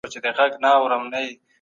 ناروغ د ډاکټر لخوا وکتل سو.